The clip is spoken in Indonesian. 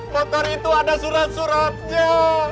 motor itu ada surat suratnya